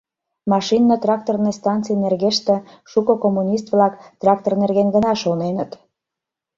Машинно-тракторный станций нергеште шуко коммунист-влак трактор нерген гына шоненыт.